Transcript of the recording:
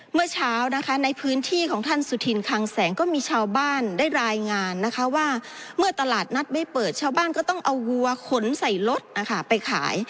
เมื่อเช้านะคะในพื้นที่ของท่านสุธินคังแสงก็มีชาวบ้านได้รายงานนะคะว่าเมื่อตลาดนัดไม่เปิดชาวบ้านก็ต้องเอาวัวขนใส่รถนะคะไปขาย